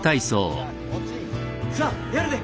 さあやるで！